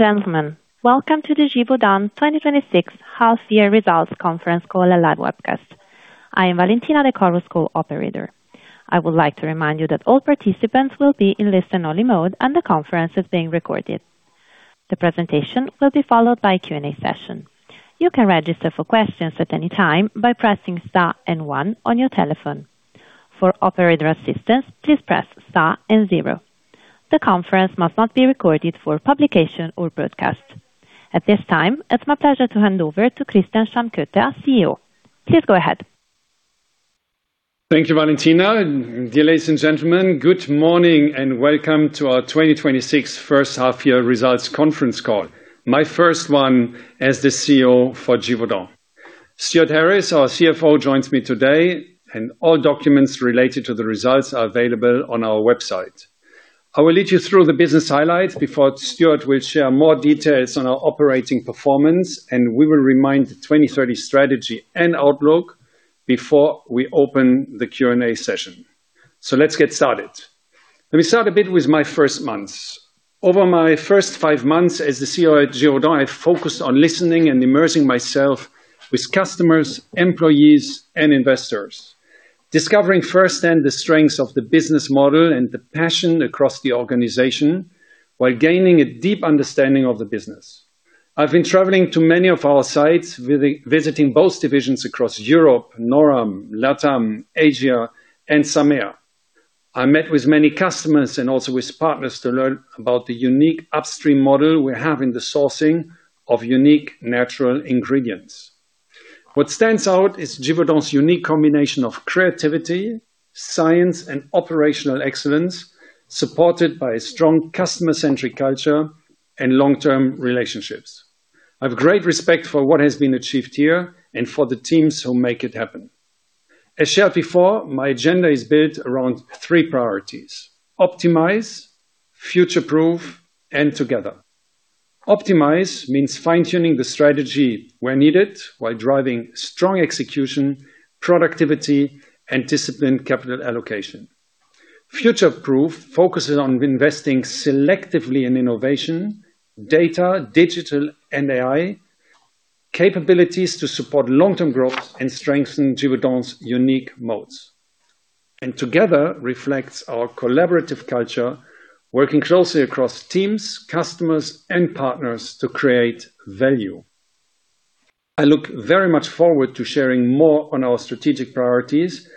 Gentlemen, welcome to the Givaudan 2026 half year results conference call and live webcast. I am Valentina, the conference call operator. I would like to remind you that all participants will be in listen-only mode, and the conference is being recorded. The presentation will be followed by a Q&A session. You can register for questions at any time by pressing star and one on your telephone. For operator assistance, please press star and zero. The conference must not be recorded for publication or broadcast. At this time, it is my pleasure to hand over to Christian Stammkoetter, our CEO. Please go ahead. Thank you, Valentina. Dear ladies and gentlemen, good morning and welcome to our 2026 first half year results conference call, my first one as the CEO for Givaudan. Stewart Harris, our CFO, joins me today, and all documents related to the results are available on our website. I will lead you through the business highlights before Stewart will share more details on our operating performance, and we will remind the 2030 strategy and outlook before we open the Q&A session. Let's get started. Let me start a bit with my first months. Over my first five months as the CEO at Givaudan, I have focused on listening and immersing myself with customers, employees, and investors. Discovering firsthand the strengths of the business model and the passion across the organization while gaining a deep understanding of the business. I have been traveling to many of our sites, visiting both divisions across Europe, Noram, Latam, Asia, and SAMEA. I met with many customers and also with partners to learn about the unique upstream model we have in the sourcing of unique natural ingredients. What stands out is Givaudan's unique combination of creativity, science, and operational excellence, supported by a strong customer-centric culture and long-term relationships. I have great respect for what has been achieved here and for the teams who make it happen. As shared before, my agenda is built around three priorities: optimize, future-proof, and together. Optimize means fine-tuning the strategy where needed while driving strong execution, productivity, and disciplined capital allocation. Future-proof focuses on investing selectively in innovation, data, digital and AI capabilities to support long-term growth and strengthen Givaudan's unique modes. Together reflects our collaborative culture, working closely across teams, customers, and partners to create value. I look very much forward to sharing more on our strategic priorities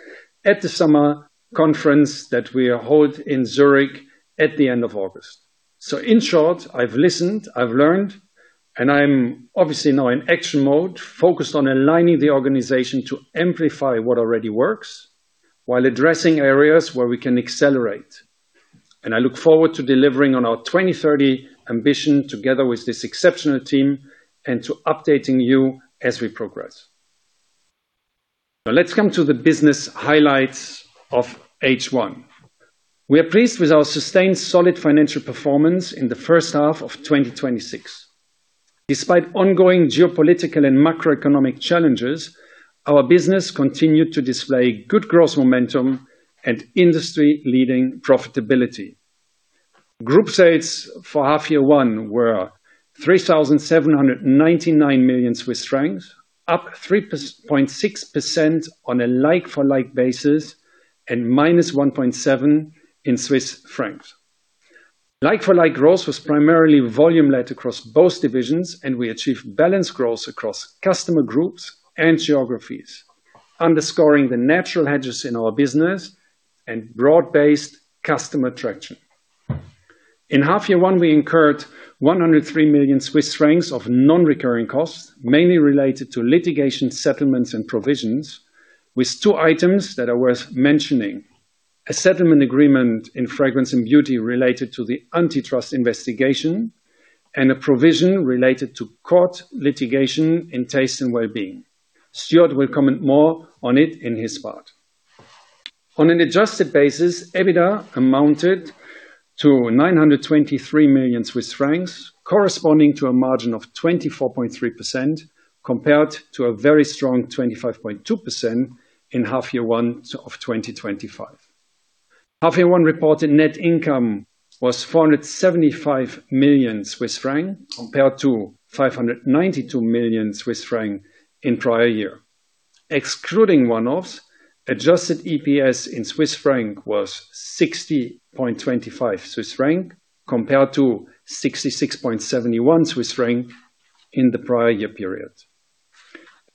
at the summer conference that we hold in Zurich at the end of August. In short, I have listened, I have learned, and I am obviously now in action mode, focused on aligning the organization to amplify what already works while addressing areas where we can accelerate. I look forward to delivering on our 2030 ambition together with this exceptional team and to updating you as we progress. Let's come to the business highlights of H1. We are pleased with our sustained solid financial performance in the first half of 2026. Despite ongoing geopolitical and macroeconomic challenges, our business continued to display good growth momentum and industry-leading profitability. Group sales for half year one were 3,799 million Swiss francs, up 3.6% on a like-for-like basis and -1.7 CHF. Like-for-like growth was primarily volume-led across both divisions. We achieved balanced growth across customer groups and geographies, underscoring the natural hedges in our business and broad-based customer traction. In half year one, we incurred 103 million Swiss francs of non-recurring costs, mainly related to litigation settlements and provisions with two items that are worth mentioning. A settlement agreement in Fragrance & Beauty related to the antitrust investigation, and a provision related to court litigation in Taste & Wellbeing. Stewart will comment more on it in his part. On an adjusted basis, EBITDA amounted to 923 million Swiss francs, corresponding to a margin of 24.3%, compared to a very strong 25.2% in half year one of 2025. Half year one reported net income was 475 million Swiss francs, compared to 592 million Swiss francs in prior year. Excluding one-offs, adjusted EPS was 60.25 Swiss franc, compared to 66.71 Swiss franc in the prior year period.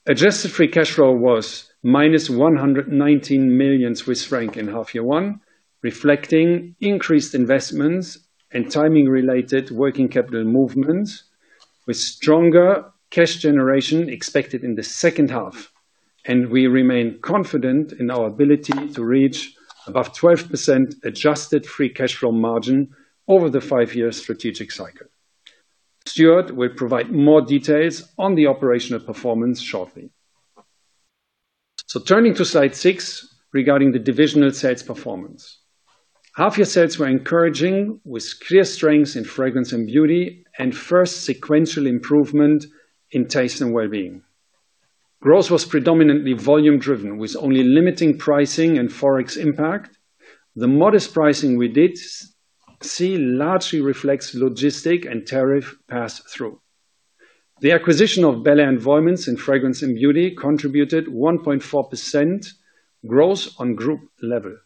Adjusted Free Cash Flow was -119 million Swiss franc in half year one, reflecting increased investments and timing-related working capital movements, with stronger cash generation expected in the second half. We remain confident in our ability to reach above 12% Adjusted Free Cash Flow margin over the five-year strategic cycle. Stewart will provide more details on the operational performance shortly. Turning to Slide 6 regarding the divisional sales performance. Half year sales were encouraging with clear strengths in Fragrance & Beauty and first sequential improvement in Taste & Wellbeing. Growth was predominantly volume driven, with only limiting pricing and Forex impact. The modest pricing we did see largely reflects logistic and tariff pass-through. The acquisition of Belle Aire Creations and Vollmens Fragrances in Fragrance & Beauty contributed 1.4% growth on group level.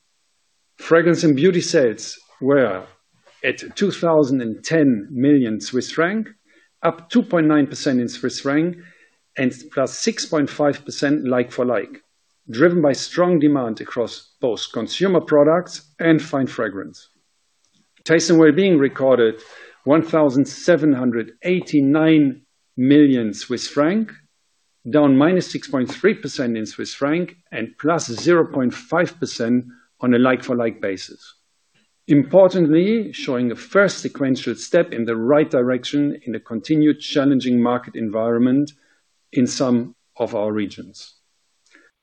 Fragrance & Beauty sales were at 2,010 million Swiss franc, up 2.9% in CHF and +6.5% like-for-like, driven by strong demand across both Consumer Products and Fine Fragrance. Taste & Wellbeing recorded 1,789 million Swiss franc, down -6.3% in CHF and +0.5% on a like-for-like basis. Importantly, showing a first sequential step in the right direction in a continued challenging market environment in some of our regions.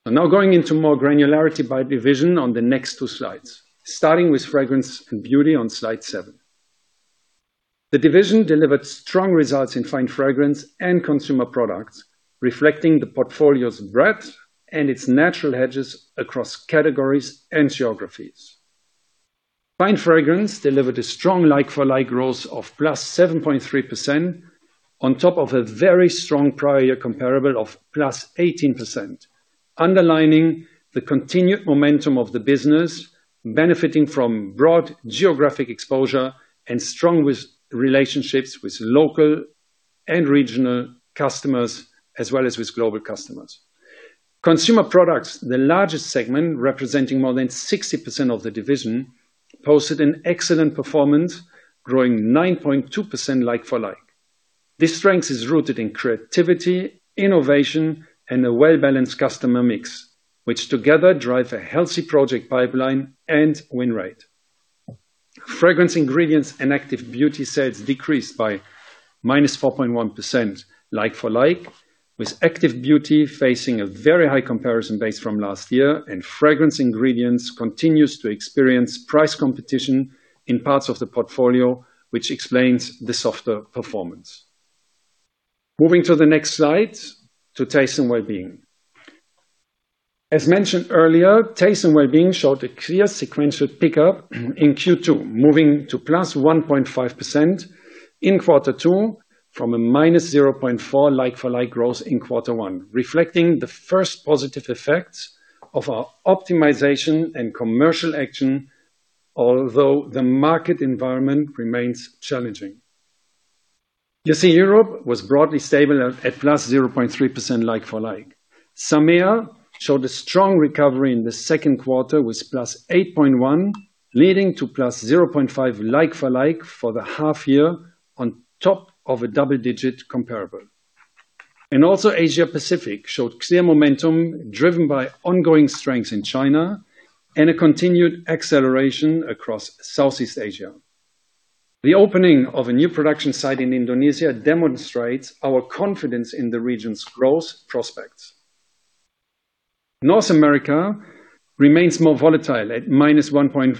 I'm now going into more granularity by division on the next two slides, starting with Fragrance & Beauty on Slide 7. The division delivered strong results in Fine Fragrance and Consumer Products, reflecting the portfolio's breadth and its natural hedges across categories and geographies. Fine Fragrance delivered a strong like-for-like growth of +7.3% on top of a very strong prior comparable of +18%, underlining the continued momentum of the business, benefiting from broad geographic exposure and strong relationships with local and regional customers, as well as with global customers. Consumer Products, the largest segment representing more than 60% of the division, posted an excellent performance, growing 9.2% like-for-like. This strength is rooted in creativity, innovation, and a well-balanced customer mix, which together drive a healthy project pipeline and win rate. Fragrance Ingredients and Active Beauty sales decreased by -4.1% like-for-like, with Active Beauty facing a very high comparison base from last year, and Fragrance Ingredients continues to experience price competition in parts of the portfolio, which explains the softer performance. Moving to the next slide to Taste & Wellbeing. As mentioned earlier, Taste & Wellbeing showed a clear sequential pickup in Q2, moving to +1.5% in Q2 from a -0.4% like-for-like growth in Q1, reflecting the first positive effects of our optimization and commercial action, although the market environment remains challenging. You see Europe was broadly stable at +0.3% like-for-like. MEA showed a strong recovery in the second quarter with +8.1%, leading to +0.5% like-for-like for the half-year on top of a double-digit comparable. Also, Asia Pacific showed clear momentum, driven by ongoing strength in China and a continued acceleration across Southeast Asia. The opening of a new production site in Cikarang, Indonesia demonstrates our confidence in the region's growth prospects. North America remains more volatile, at -1.5%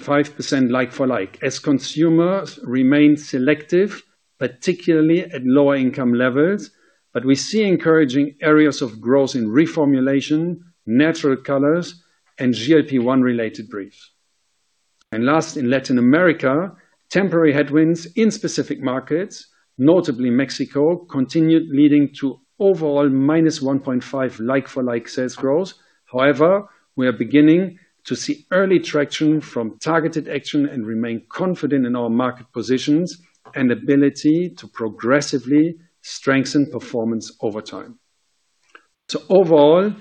like-for-like, as consumers remain selective, particularly at lower income levels. We see encouraging areas of growth in reformulation, natural colors, and GLP-1 related briefs. Last, in Latin America, temporary headwinds in specific markets, notably Mexico, continued leading to overall -1.5% like-for-like sales growth. However, we are beginning to see early traction from targeted action and remain confident in our market positions and ability to progressively strengthen performance over time. Overall,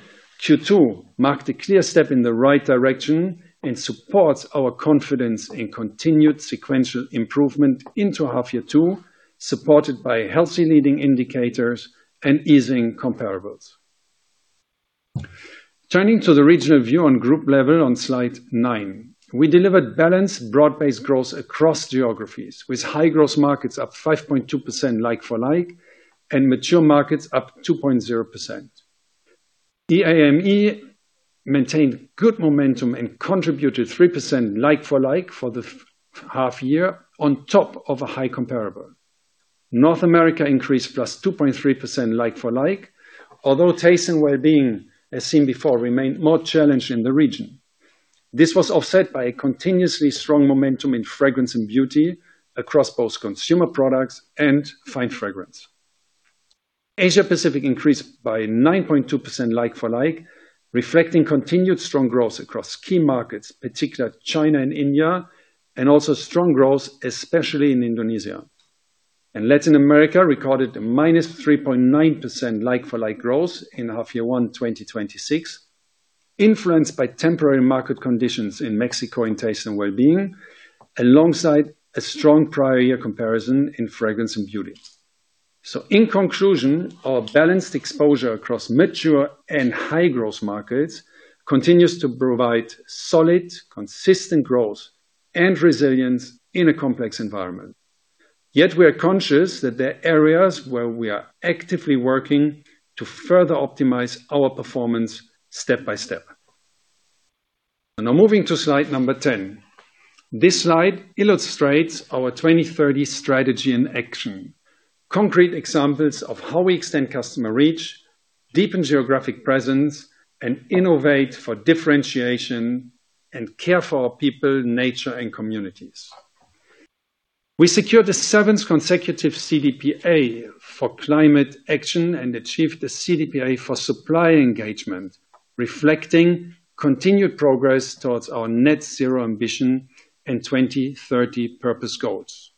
Q2 marked a clear step in the right direction and supports our confidence in continued sequential improvement into half-year 2, supported by healthy leading indicators and easing comparables. Turning to the regional view on group level on Slide 9. We delivered balanced, broad-based growth across geographies, with high-growth markets up +5.2% like-for-like and mature markets up +2.0%. EAME maintained good momentum and contributed +3% like-for-like for the half-year on top of a high comparable. North America increased +2.3% like-for-like. Although Taste & Wellbeing, as seen before, remained more challenged in the region. This was offset by a continuously strong momentum in Fragrance & Beauty across both Consumer Products and Fine Fragrance. Asia Pacific increased by +9.2% like-for-like, reflecting continued strong growth across key markets, particularly China and India, and also strong growth especially in Indonesia. Latin America recorded a -3.9% like-for-like growth in half-year one 2026, influenced by temporary market conditions in Mexico in Taste & Wellbeing, alongside a strong prior year comparison in Fragrance & Beauty. In conclusion, our balanced exposure across mature and high-growth markets continues to provide solid, consistent growth and resilience in a complex environment. We are conscious that there are areas where we are actively working to further optimize our performance step by step. Moving to Slide 10. This slide illustrates our 2030 strategy in action. Concrete examples of how we extend customer reach, deepen geographic presence, and innovate for differentiation, and care for our people, nature, and communities. We secured the seventh consecutive CDPA for climate action and achieved the CDPA for supplier engagement, reflecting continued progress towards our net-zero ambition and 2030 purpose goals.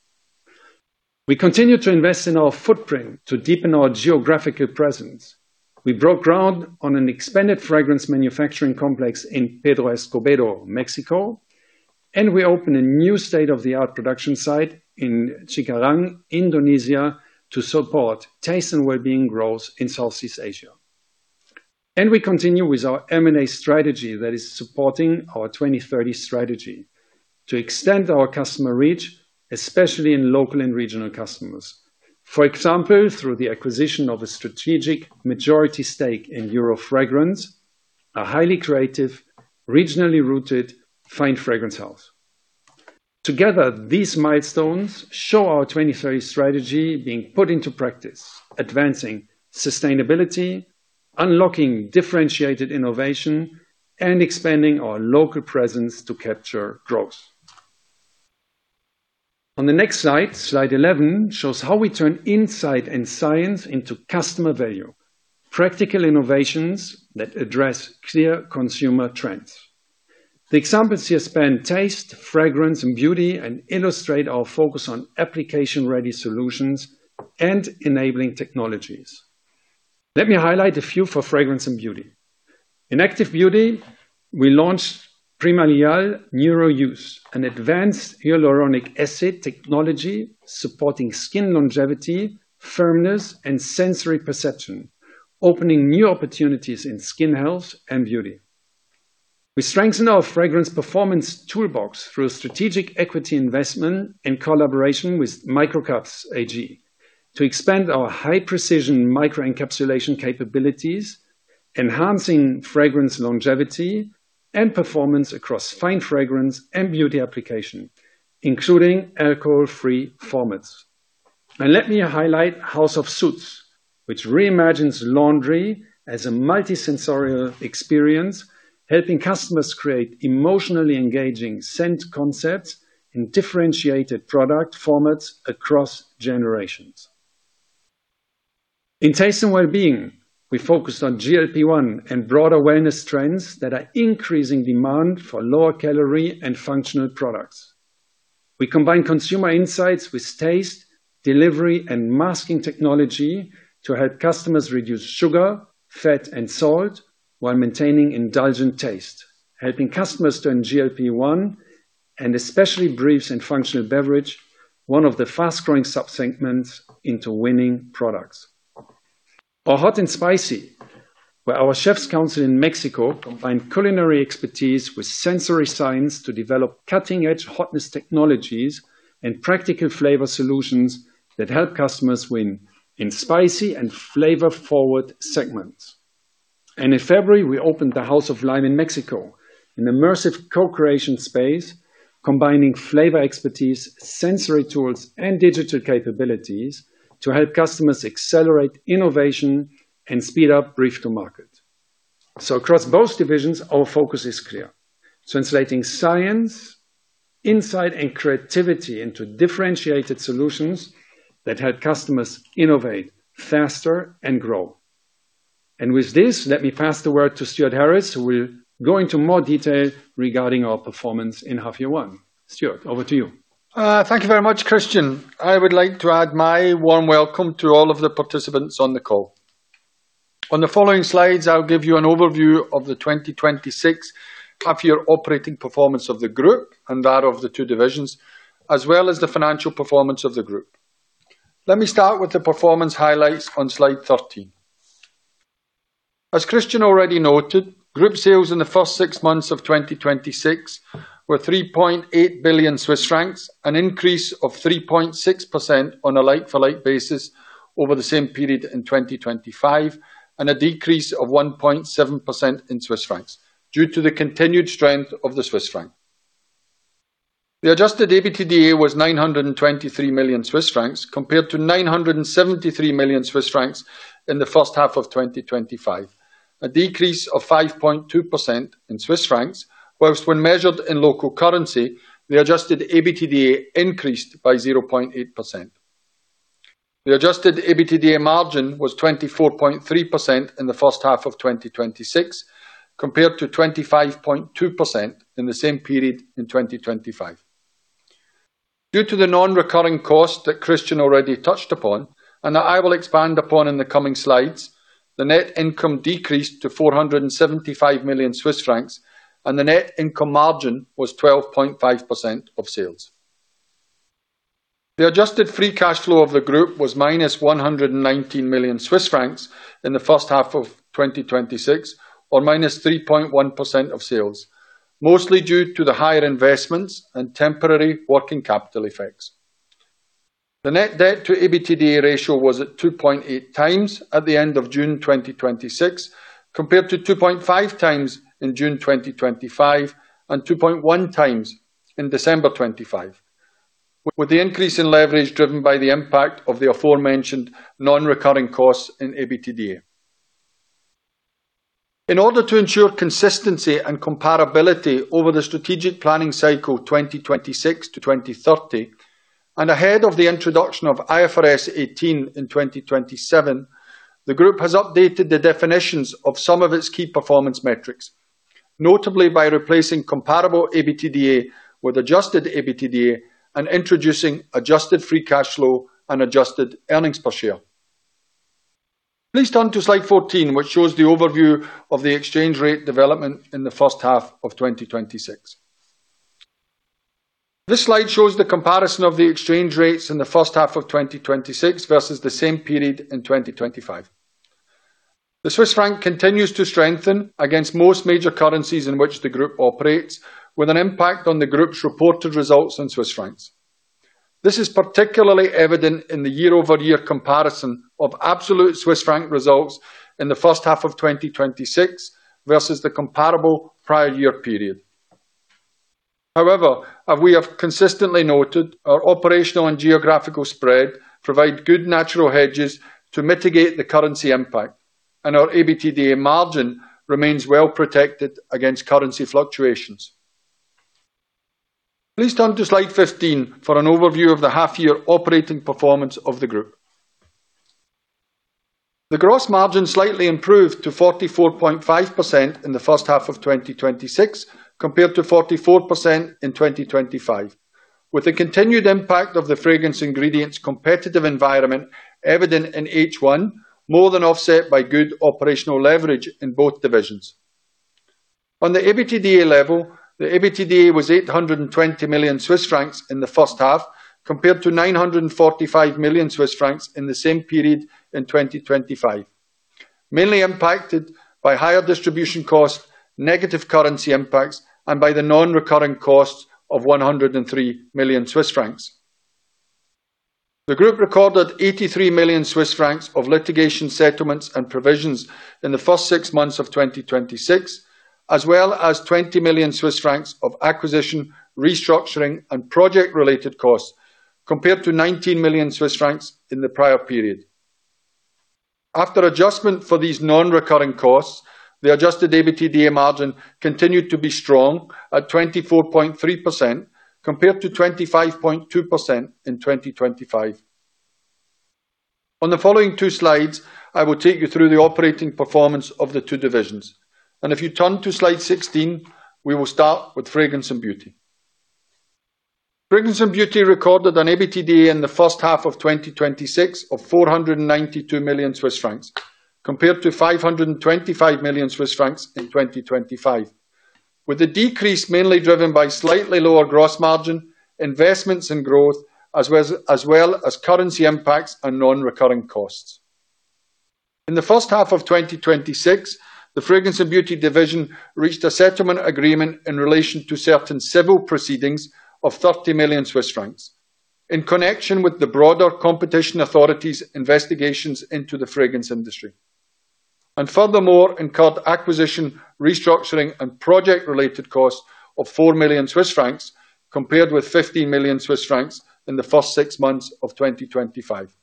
We continue to invest in our footprint to deepen our geographical presence. We broke ground on an expanded fragrance manufacturing complex in Pedro Escobedo, Mexico, and we opened a new state-of-the-art production site in Cikarang, Indonesia to support Taste & Wellbeing growth in Southeast Asia. We continue with our M&A strategy that is supporting our 2030 strategy to extend our customer reach, especially in local and regional customers. For example, through the acquisition of a strategic majority stake in Eurofragance, a highly creative, regionally rooted fine fragrance house. Together, these milestones show our 2030 strategy being put into practice, advancing sustainability, unlocking differentiated innovation, and expanding our local presence to capture growth. On the next Slide 11 shows how we turn insight and science into customer value, practical innovations that address clear consumer trends. The examples here span Taste & Wellbeing, Fragrance & Beauty and illustrate our focus on application-ready solutions and enabling technologies. Let me highlight a few for Fragrance & Beauty. In Active Beauty, we launched PrimalHyal NeuroYouth, an advanced hyaluronic acid technology supporting skin longevity, firmness, and sensory perception, opening new opportunities in skin health and beauty. We strengthen our fragrance performance toolbox through strategic equity investment in collaboration with Microcaps AG to expand our high-precision microencapsulation capabilities, enhancing fragrance longevity and performance across Fine Fragrance and beauty application, including alcohol-free formats. Let me highlight Haus of Suds, which reimagines laundry as a multisensory experience, helping customers create emotionally engaging scent concepts in differentiated product formats across generations. In Taste & Wellbeing, we focused on GLP-1 and broader wellness trends that are increasing demand for lower-calorie and functional products. We combine consumer insights with taste, delivery, and masking technology to help customers reduce sugar, fat, and salt while maintaining indulgent taste, helping customers turn GLP-1 and specialty briefs and functional beverage, one of the fast-growing subsegments into winning products. Our hot and spicy, where our chefs council in Mexico combined culinary expertise with sensory science to develop cutting-edge hotness technologies and practical flavor solutions that help customers win in spicy and flavor-forward segments. In February, we opened the House of Lime in Mexico, an immersive co-creation space combining flavor expertise, sensory tools, and digital capabilities to help customers accelerate innovation and speed up brief to market. Across both divisions, our focus is clear. Translating science, insight, and creativity into differentiated solutions that help customers innovate faster and grow. With this, let me pass the word to Stewart Harris, who will go into more detail regarding our performance in half year one. Stewart, over to you. Thank you very much, Christian. I would like to add my warm welcome to all of the participants on the call. On the following slides, I'll give you an overview of the 2026 half-year operating performance of the group and that of the two divisions, as well as the financial performance of the group. Let me start with the performance highlights on Slide 13. As Christian already noted, group sales in the first six months of 2026 were 3.8 billion Swiss francs, an increase of 3.6% on a like-for-like basis over the same period in 2025, and a decrease of 1.7% in CHF due to the continued strength of the Swiss franc. The adjusted EBITDA was 923 million Swiss francs compared to 973 million Swiss francs in the first half of 2025, a decrease of 5.2% in Swiss francs, whilst when measured in local currency, the adjusted EBITDA increased by 0.8%. The adjusted EBITDA margin was 24.3% in the first half of 2026, compared to 25.2% in the same period in 2025. Due to the non-recurring cost that Christian already touched upon and that I will expand upon in the coming slides, the net income decreased to 475 million Swiss francs, and the net income margin was 12.5% of sales. The adjusted free cash flow of the group was -119 million Swiss francs in the first half of 2026, or -3.1% of sales, mostly due to the higher investments and temporary working capital effects. The net debt to EBITDA ratio was at 2.8 times at the end of June 2026, compared to 2.5 times in June 2025, and 2.1 times in December 2025. With the increase in leverage driven by the impact of the aforementioned non-recurring costs in EBITDA. In order to ensure consistency and comparability over the strategic planning cycle 2026 to 2030, and ahead of the introduction of IFRS 18 in 2027, the group has updated the definitions of some of its key performance metrics, notably by replacing comparable EBITDA with adjusted EBITDA and introducing adjusted free cash flow and adjusted earnings per share. Please turn to Slide 14, which shows the overview of the exchange rate development in the first half of 2026. This slide shows the comparison of the exchange rates in the first half of 2026 versus the same period in 2025. The Swiss franc continues to strengthen against most major currencies in which the group operates, with an impact on the group's reported results in Swiss francs. This is particularly evident in the year-over-year comparison of absolute Swiss franc results in the first half of 2026 versus the comparable prior year period. However, as we have consistently noted, our operational and geographical spread provide good natural hedges to mitigate the currency impact, and our EBITDA margin remains well protected against currency fluctuations. Please turn to Slide 15 for an overview of the half-year operating performance of the group. The gross margin slightly improved to 44.5% in the first half of 2026, compared to 44% in 2025. With the continued impact of the Fragrance Ingredients competitive environment evident in H1, more than offset by good operational leverage in both divisions. On the EBITDA level, the EBITDA was 820 million Swiss francs in the first half, compared to 945 million Swiss francs in the same period in 2025. Mainly impacted by higher distribution costs, negative currency impacts, and by the non-recurring costs of 103 million Swiss francs. The group recorded 83 million Swiss francs of litigation settlements and provisions in the first six months of 2026, as well as 20 million Swiss francs of acquisition, restructuring, and project-related costs, compared to 19 million Swiss francs in the prior period. After adjustment for these non-recurring costs, the adjusted EBITDA margin continued to be strong at 24.3%, compared to 25.2% in 2025. On the following two slides, I will take you through the operating performance of the two divisions. If you turn to Slide 16, we will start with Fragrance & Beauty. Fragrance & Beauty recorded an EBITDA in the first half of 2026 of 492 million Swiss francs, compared to 525 million Swiss francs in 2025. The decrease mainly driven by slightly lower gross margin, investments in growth, as well as currency impacts and non-recurring costs. In the first half of 2026, the Fragrance & Beauty division reached a settlement agreement in relation to certain civil proceedings of 30 million Swiss francs in connection with the broader competition authorities' investigations into the fragrance industry. Furthermore, incurred acquisition, restructuring, and project-related costs of 4 million Swiss francs, compared with 15 million Swiss francs in the first six months of 2025.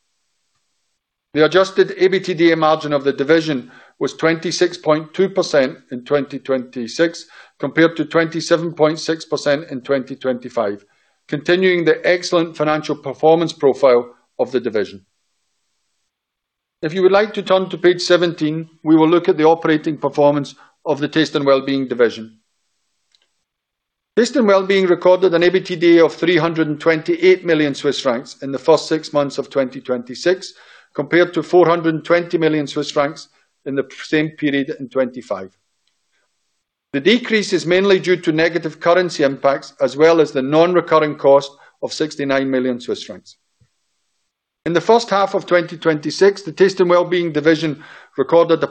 The Adjusted EBITDA margin of the division was 26.2% in 2026, compared to 27.6% in 2025, continuing the excellent financial performance profile of the division. If you would like to turn to page 17, we will look at the operating performance of the Taste & Wellbeing division. Taste & Wellbeing recorded an EBITDA of 328 million Swiss francs in the first six months of 2026, compared to 420 million Swiss francs in the same period in 2025. The decrease is mainly due to negative currency impacts, as well as the non-recurring cost of 69 million Swiss francs. In the first half of 2026, the Taste & Wellbeing division recorded a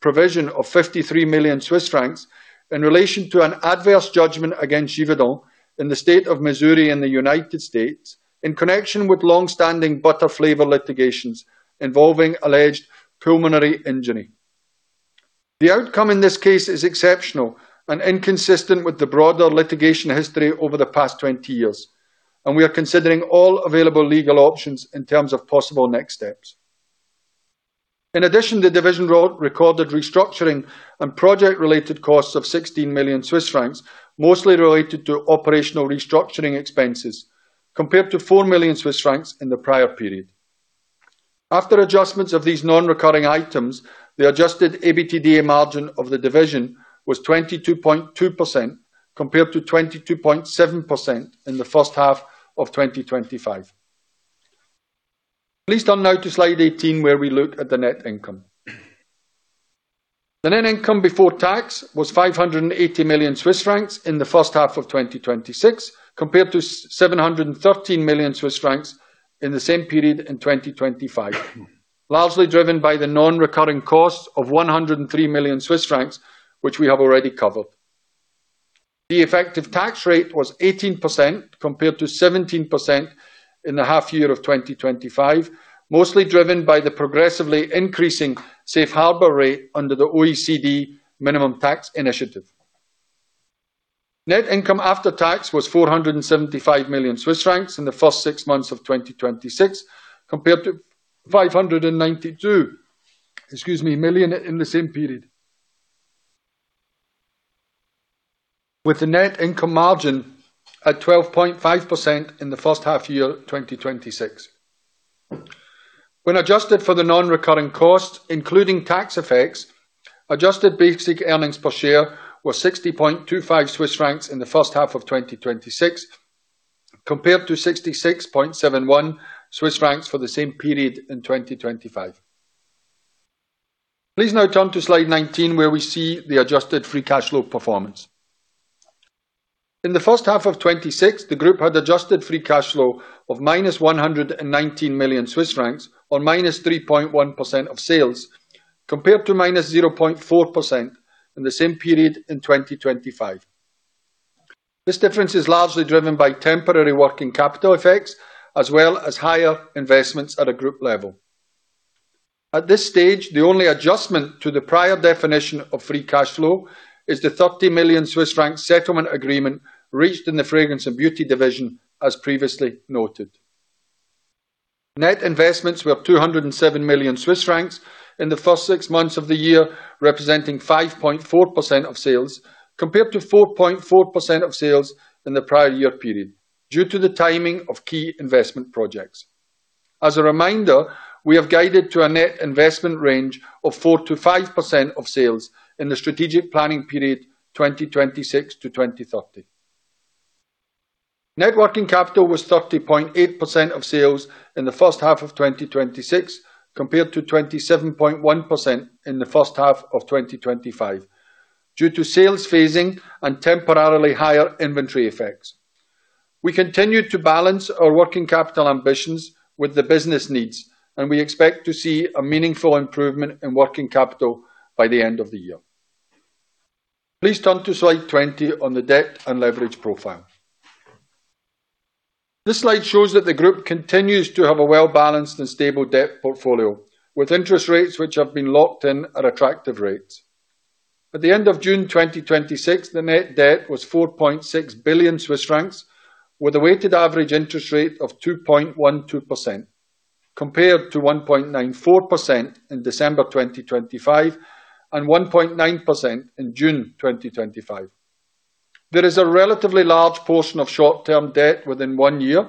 provision of 53 million Swiss francs in relation to an adverse judgment against Givaudan in the state of Missouri in the U.S., in connection with longstanding butter flavor litigations involving alleged pulmonary injury. The outcome in this case is exceptional and inconsistent with the broader litigation history over the past 20 years, and we are considering all available legal options in terms of possible next steps. In addition, the division recorded restructuring and project-related costs of 16 million Swiss francs, mostly related to operational restructuring expenses, compared to 4 million Swiss francs in the prior period. After adjustments of these non-recurring items, the Adjusted EBITDA margin of the division was 22.2%, compared to 22.7% in the first half of 2025. Please turn now to Slide 18, where we look at the net income. The net income before tax was 580 million Swiss francs in the first half of 2026, compared to 713 million Swiss francs in the same period in 2025, largely driven by the non-recurring costs of 103 million Swiss francs, which we have already covered. The effective tax rate was 18%, compared to 17% in the half year of 2025, mostly driven by the progressively increasing safe harbor rate under the OECD minimum tax initiative. Net income after tax was 475 million Swiss francs in the first six months of 2026, compared to 592 million in the same period. The net income margin at 12.5% in the first half year, 2026. When adjusted for the non-recurring costs, including tax effects, adjusted basic earnings per share were 60.25 Swiss francs in the first half of 2026, compared to 66.71 Swiss francs for the same period in 2025. Please now turn to Slide 19, where we see the Adjusted Free Cash Flow performance. In the first half of 2026, the group had Adjusted Free Cash Flow of -119 million Swiss francs, or -3.1% of sales, compared to -0.4% in the same period in 2025. This difference is largely driven by temporary working capital effects, as well as higher investments at a group level. At this stage, the only adjustment to the prior definition of free cash flow is the 30 million Swiss franc settlement agreement reached in the Fragrance & Beauty division, as previously noted. Net investments were up 207 million Swiss francs in the first six months of the year, representing 5.4% of sales, compared to 4.4% of sales in the prior year period, due to the timing of key investment projects. As a reminder, we have guided to a net investment range of 4%-5% of sales in the strategic planning period 2026-2030. Net working capital was 30.8% of sales in the first half of 2026, compared to 27.1% in the first half of 2025, due to sales phasing and temporarily higher inventory effects. We continue to balance our working capital ambitions with the business needs. We expect to see a meaningful improvement in working capital by the end of the year. Please turn to Slide 20 on the debt and leverage profile. This slide shows that the group continues to have a well-balanced and stable debt portfolio, with interest rates which have been locked in at attractive rates. At the end of June 2026, the net debt was 4.6 billion Swiss francs, with a weighted average interest rate of 2.12%, compared to 1.94% in December 2025 and 1.9% in June 2025. There is a relatively large portion of short-term debt within one year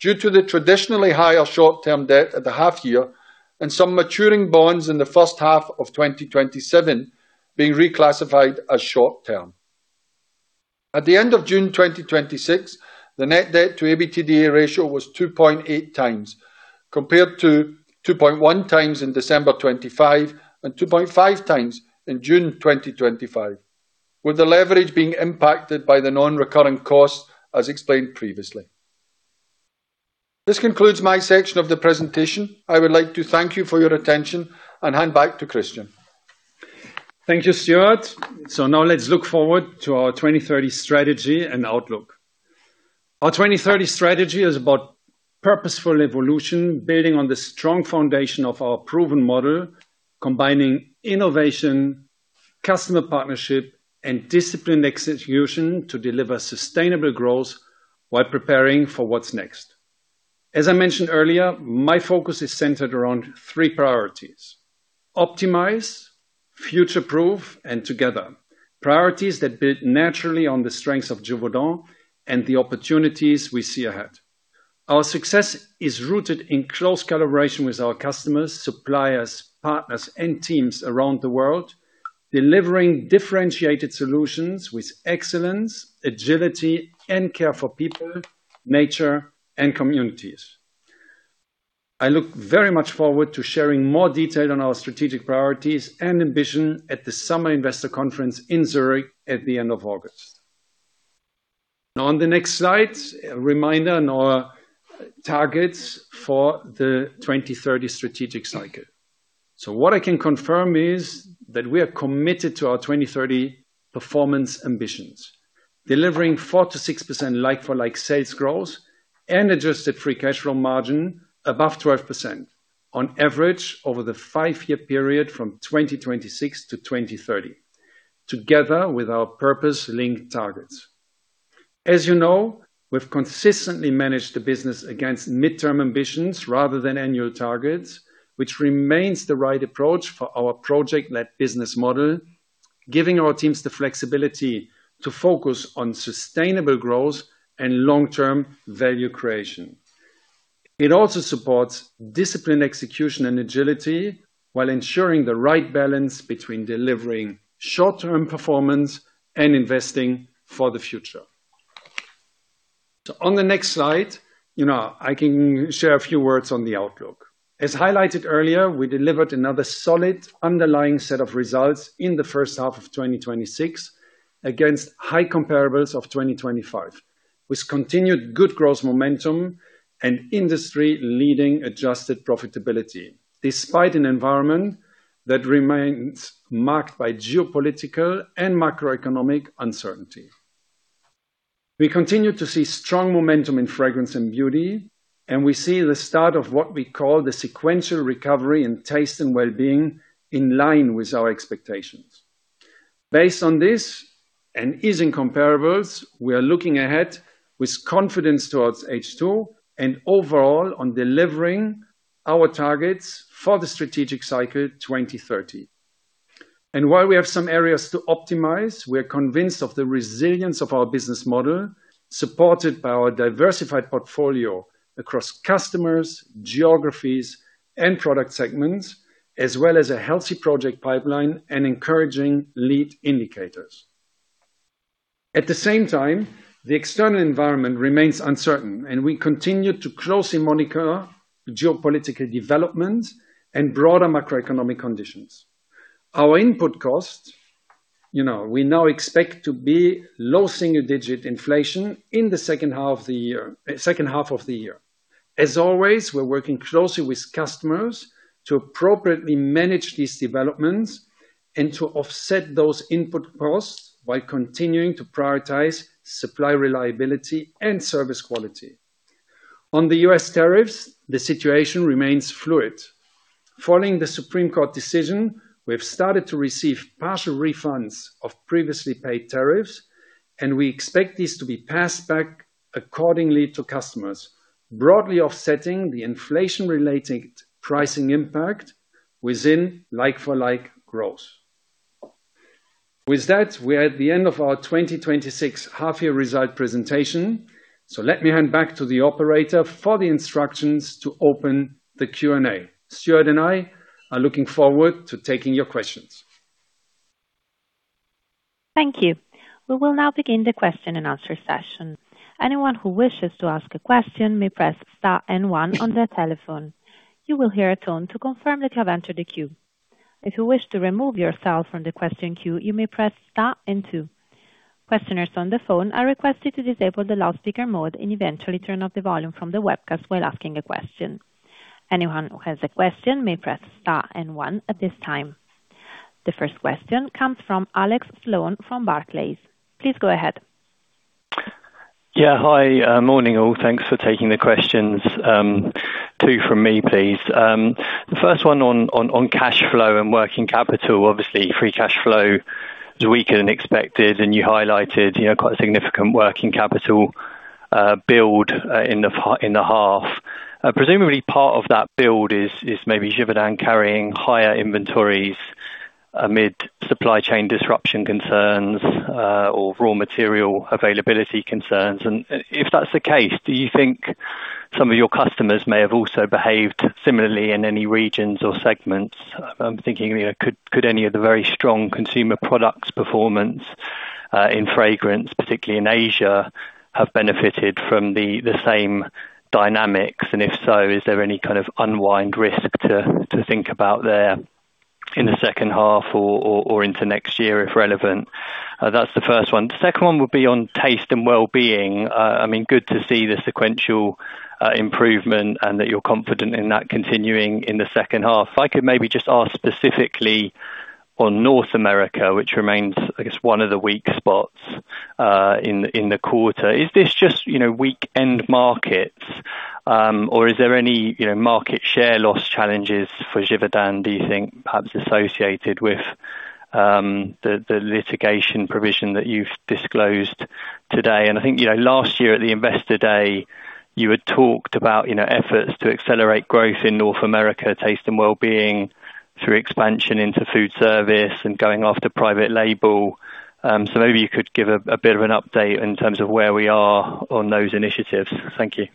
due to the traditionally higher short-term debt at the half year and some maturing bonds in the first half of 2027 being reclassified as short-term. At the end of June 2026, the net debt to EBITDA ratio was 2.8 times, compared to 2.1 times in December 2025 and 2.5 times in June 2025, with the leverage being impacted by the non-recurring costs, as explained previously. This concludes my section of the presentation. I would like to thank you for your attention and hand back to Christian. Thank you, Stewart. Now let's look forward to our 2030 strategy and outlook. Our 2030 strategy is about purposeful evolution, building on the strong foundation of our proven model, combining innovation, customer partnership, and disciplined execution to deliver sustainable growth while preparing for what's next. As I mentioned earlier, my focus is centered around three priorities: optimize, future-proof, and together. Priorities that build naturally on the strengths of Givaudan and the opportunities we see ahead. Our success is rooted in close collaboration with our customers, suppliers, partners, and teams around the world, delivering differentiated solutions with excellence, agility, and care for people, nature, and communities. I look very much forward to sharing more detail on our strategic priorities and ambition at the Summer Investor Conference in Zurich at the end of August. Now, on the next slide, a reminder on our targets for the 2030 strategic cycle. What I can confirm is that we are committed to our 2030 performance ambitions, delivering 4%-6% like-for-like sales growth and Adjusted Free Cash Flow margin above 12% on average over the five-year period from 2026 to 2030, together with our purpose-linked targets. As you know, we've consistently managed the business against midterm ambitions rather than annual targets, which remains the right approach for our project-led business model, giving our teams the flexibility to focus on sustainable growth and long-term value creation. It also supports disciplined execution and agility while ensuring the right balance between delivering short-term performance and investing for the future. On the next slide, I can share a few words on the outlook. As highlighted earlier, we delivered another solid underlying set of results in the first half of 2026 against high comparables of 2025. With continued good growth momentum and industry leading adjusted profitability, despite an environment that remains marked by geopolitical and macroeconomic uncertainty. We continue to see strong momentum in Fragrance & Beauty, and we see the start of what we call the sequential recovery in Taste & Wellbeing in line with our expectations. Based on this and easing comparables, we are looking ahead with confidence towards H2 and overall, on delivering our targets for the strategic cycle 2030. While we have some areas to optimize, we are convinced of the resilience of our business model, supported by our diversified portfolio across customers, geographies, and product segments, as well as a healthy project pipeline and encouraging lead indicators. At the same time, the external environment remains uncertain, and we continue to closely monitor geopolitical developments and broader macroeconomic conditions. Our input cost, we now expect to be low single-digit inflation in the second half of the year. As always, we're working closely with customers to appropriately manage these developments and to offset those input costs by continuing to prioritize supply reliability and service quality. On the U.S. tariffs, the situation remains fluid. Following the Supreme Court decision, we have started to receive partial refunds of previously paid tariffs, and we expect these to be passed back accordingly to customers, broadly offsetting the inflation-related pricing impact within like-for-like growth. With that, we're at the end of our 2026 half year result presentation. Let me hand back to the operator for the instructions to open the Q&A. Stewart and I are looking forward to taking your questions. Thank you. We will now begin the question-and-answer session. Anyone who wishes to ask a question may press star and one on their telephone. You will hear a tone to confirm that you have entered the queue. If you wish to remove yourself from the question queue, you may press star and two. Questioners on the phone are requested to disable the loudspeaker mode and eventually turn off the volume from the webcast while asking a question. Anyone who has a question may press star and one at this time. The first question comes from Alex Sloane from Barclays. Please go ahead. Yeah. Hi. Morning, all. Thanks for taking the questions. Two from me, please. The first one on cash flow and working capital, obviously, free cash flow is weaker than expected, and you highlighted quite a significant working capital build in the half. Presumably part of that build is maybe Givaudan carrying higher inventories amid supply chain disruption concerns or raw material availability concerns. If that's the case, do you think some of your customers may have also behaved similarly in any regions or segments? I'm thinking, could any of the very strong Consumer Products performance in fragrance, particularly in Asia, have benefited from the same dynamics? If so, is there any kind of unwind risk to think about there in the second half or into next year, if relevant? That's the first one. The second one would be on Taste & Wellbeing. Good to see the sequential improvement and that you're confident in that continuing in the second half. If I could maybe just ask specifically on North America, which remains, I guess, one of the weak spots in the quarter. Is this just weak end markets? Or is there any market share loss challenges for Givaudan, do you think, perhaps associated with the litigation provision that you've disclosed today? I think last year at the Investor Day, you had talked about efforts to accelerate growth in North America, Taste & Wellbeing through expansion into food service and going after private label. Maybe you could give a bit of an update in terms of where we are on those initiatives. Thank you.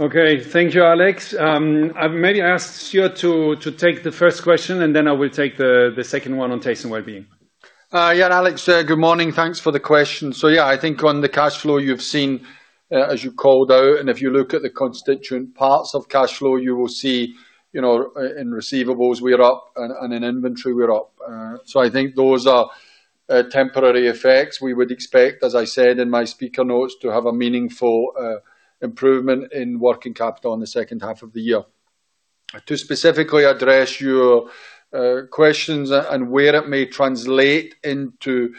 Okay. Thank you, Alex. I maybe ask Stewart to take the first question, and then I will take the second one on Taste & Wellbeing. Yeah, Alex, good morning. Thanks for the question. Yeah, I think on the cash flow you've seen, as you called out, if you look at the constituent parts of cash flow, you will see in receivables we are up, and in inventory we are up. I think those are temporary effects. We would expect, as I said in my speaker notes, to have a meaningful improvement in working capital in the second half of the year. To specifically address your questions and where it may translate into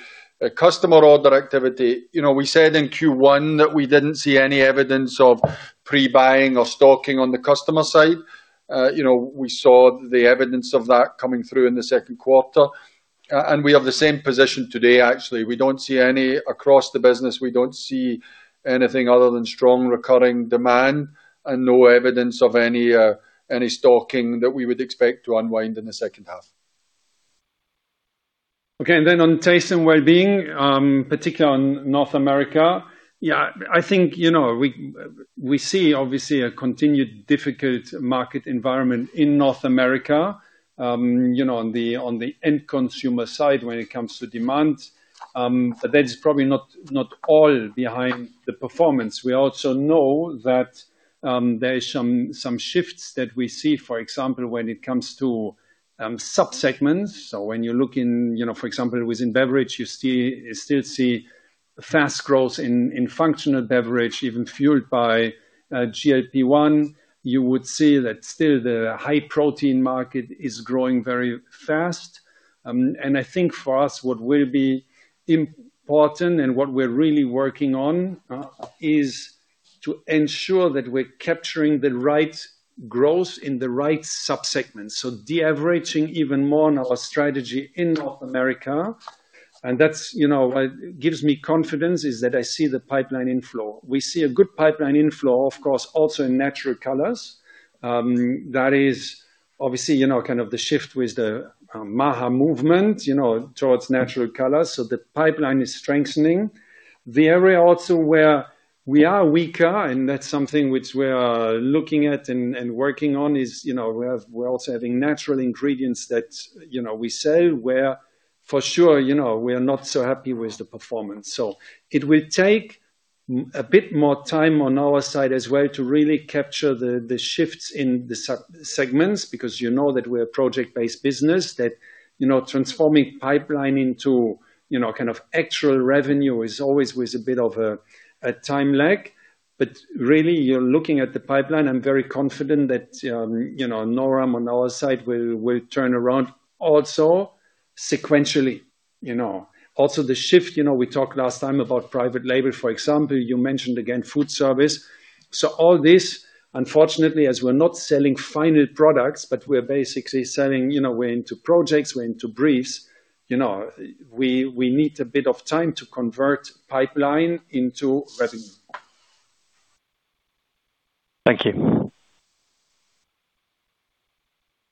customer order activity, we said in Q1 that we didn't see any evidence of pre-buying or stocking on the customer side. We saw the evidence of that coming through in the second quarter, and we have the same position today, actually. Across the business, we don't see anything other than strong recurring demand and no evidence of any stocking that we would expect to unwind in the second half. Okay. On Taste & Wellbeing, particularly on North America, I think we see obviously a continued difficult market environment in North America on the end consumer side when it comes to demand, that is probably not all behind the performance. We also know that there is some shifts that we see, for example, when it comes to sub-segments. When you look in, for example, within beverage, you still see fast growth in functional beverage, even fueled by GLP-1, you would see that still the high protein market is growing very fast. I think for us, what will be important and what we're really working on is to ensure that we're capturing the right growth in the right sub-segments. De-averaging even more on our strategy in North America, what gives me confidence is that I see the pipeline inflow. We see a good pipeline inflow, of course, also in natural colors. That is obviously the shift with the MAHA movement towards natural colors. The pipeline is strengthening. The area also where we are weaker, and that's something which we are looking at and working on, is we're also having natural ingredients that we sell where for sure we are not so happy with the performance. It will take a bit more time on our side as well to really capture the shifts in the sub-segments, because you know that we're a project-based business, that transforming pipeline into actual revenue is always with a bit of a time lag. Really, you're looking at the pipeline. I'm very confident that Noram on our side will turn around also sequentially. The shift, we talked last time about private label, for example. You mentioned again food service. All this, unfortunately, as we're not selling final products, but we're basically selling into projects, we're into briefs, we need a bit of time to convert pipeline into revenue. Thank you.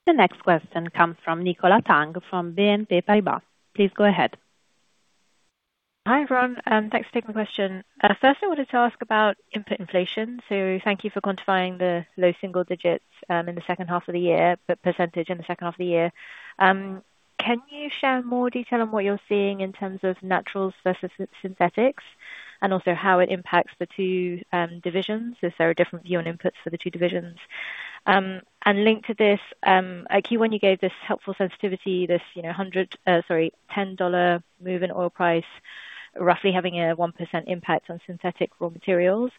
The next question comes from Nicola Tang from BNP Paribas. Please go ahead. Hi, everyone. Thanks for taking the question. First, I wanted to ask about input inflation. Thank you for quantifying the low single digits in the second half of the year, the percentage in the second half of the year. Can you share more detail on what you're seeing in terms of naturals versus synthetics, and also how it impacts the two divisions, if there are different view on inputs for the two divisions? Linked to this, Q1 you gave this helpful sensitivity, this CHF 10 move in oil price roughly having a 1% impact on synthetic raw materials.